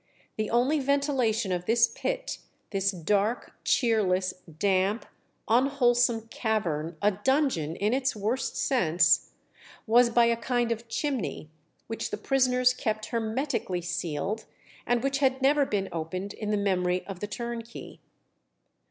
The only ventilation of this pit, this "dark, cheerless, damp, unwholesome cavern a dungeon in its worst sense" was by a kind of chimney, which the prisoners kept hermetically sealed, and which had never been opened in the memory of the turnkey.